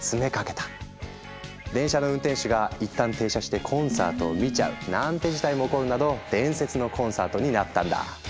電車の運転手が一旦停車してコンサートを見ちゃうなんて事態も起こるなど伝説のコンサートになったんだ。